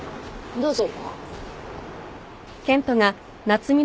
どうぞ。